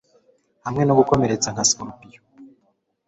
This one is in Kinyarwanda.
hamwe no gukomeretsa nka sikorupiyo